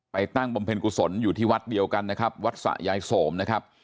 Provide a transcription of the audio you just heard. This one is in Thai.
ไปตั้งบมเพงศุนย์อยู่ที่วัดเดียวกันนะครับวักษะยายโสมนะครับ